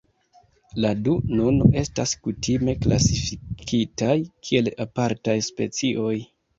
La du nun estas kutime klasifikitaj kiel apartaj specioj.